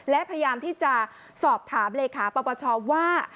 และพยายามที่จะสอบถามเลขาปปชว่า